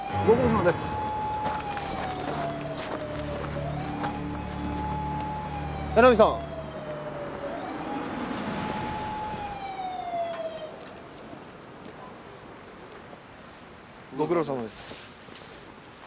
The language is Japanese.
ご苦労さまです。